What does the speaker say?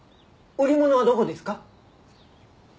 売り物はどこですか？